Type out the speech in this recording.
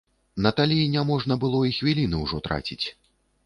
Наталі няможна было і хвіліны ўжо траціць.